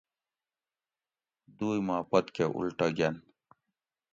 دوئی ما پتکہ اُلٹہ گۤن